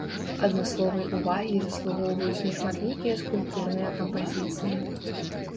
Адмысловай увагі заслугоўваюць нешматлікія скульптурныя кампазіцыі.